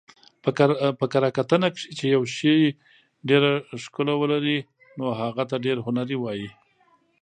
په کره کتنه کښي، چي یوشي ډېره ښکله ولري نو هغه ته ډېر هنري وايي.